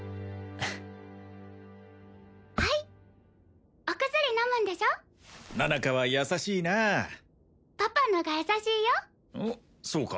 はいお薬飲むんでしょ菜々香は優しいなパパのが優しいよおっそうか？